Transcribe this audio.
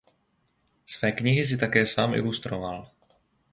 Své knihy si také sám ilustroval.